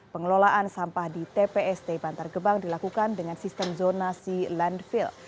pengelolaan sampah di tpst bantar gebang dilakukan dengan sistem zonasi landfill